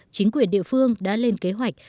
chính quyền địa phương đã lên kế hoạch